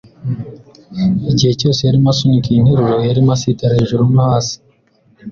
Igihe cyose yarimo asunika iyi nteruro yarimo asitara hejuru no hasi